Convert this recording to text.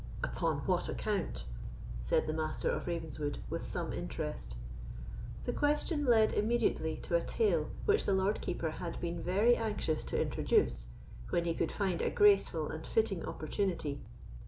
"Upon what account?" said the Master of Ravenswood, with some interest. The question led immediately to a tale which the Lord Keeper had been very anxious to introduce, when he could find a graceful and fitting opportunity.